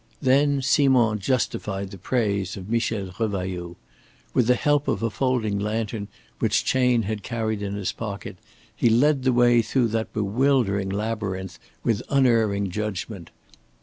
Then Simond justified the praise of Michel Revailloud. With the help of a folding lantern which Chayne had carried in his pocket, he led the way through that bewildering labyrinth with unerring judgment.